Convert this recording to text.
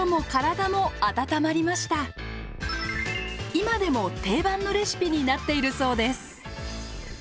今でも定番のレシピになっているそうです。